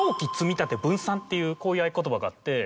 っていうこういう合言葉があって。